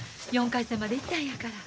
４回戦まで行ったんやから。